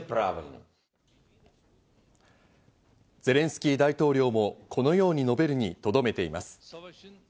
ゼレンスキー大統領もこのように述べるにとどめています。